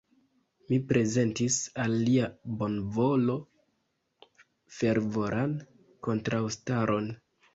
Mi prezentis al lia bonvolo fervoran kontraŭstaron.